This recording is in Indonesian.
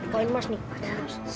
koin emas nih padahal